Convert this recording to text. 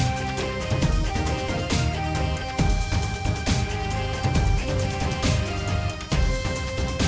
sekali lagi selamat